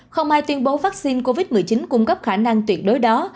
không ai tuyên bố vaccine covid một mươi chín cung cấp khả năng tuyệt đối đó